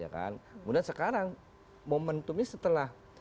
kemudian sekarang momentumnya setelah